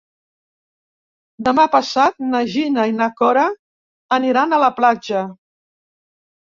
Demà passat na Gina i na Cora aniran a la platja.